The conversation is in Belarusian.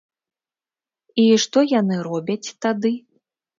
І што яны робяць тады?